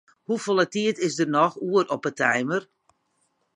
Hoefolle tiid is der noch oer op 'e timer?